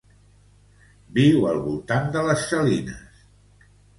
Viu al voltant de les Salinas Grandes.